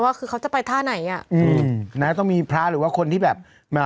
ว่าคือเขาจะไปท่าไหนอ่ะอืมนะต้องมีพระหรือว่าคนที่แบบอ่า